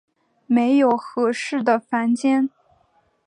没有适合的房间